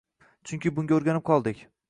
Chunki bunga o‘rganib qoldik.